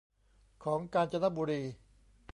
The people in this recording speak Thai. ของกาญจนบุรี